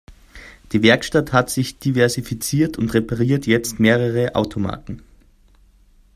Die Werkstatt hat sich diversifiziert und repariert jetzt mehrere Automarken.